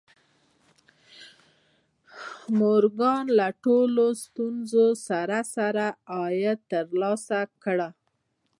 مورګان له ټولو ستونزو سره سره عاید ترلاسه کړ